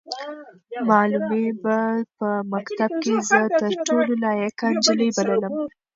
معلمې به په مکتب کې زه تر ټولو لایقه نجلۍ بللم.